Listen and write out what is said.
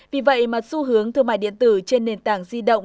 vì vậy mà xu hướng thương mại điện tử trên nền tảng di động